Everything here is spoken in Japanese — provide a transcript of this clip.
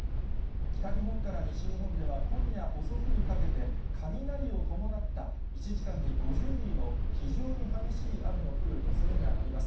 北日本から西日本では、今夜遅くにかけて雷を伴った１時間に５０ミリの非常に激しい雨の降るおそれがあります。